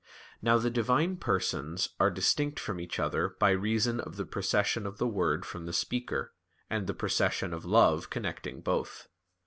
Now the Divine Persons are distinct from each other by reason of the procession of the Word from the Speaker, and the procession of Love connecting Both.